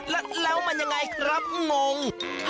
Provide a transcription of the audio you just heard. เนินปูนแล้วมันยังไงครับงง